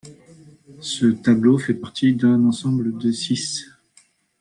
Ce tableau fait partie d'un ensemble de six.